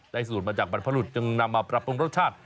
ได้สูตรมาจากปันพระบุรุษจึงนำมาปรับปรุงรสชาติ